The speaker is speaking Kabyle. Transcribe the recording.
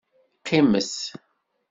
Qqimet!